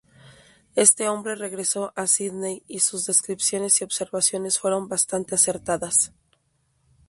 Este hombre regresó a Sídney y sus descripciones y observaciones fueron bastante acertadas.